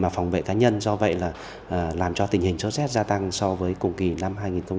phòng vệ cá nhân do vậy là làm cho tình hình sốt rét gia tăng so với cùng kỳ năm hai nghìn một mươi tám